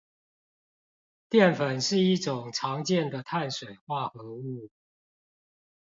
澱粉是一種常見的碳水化合物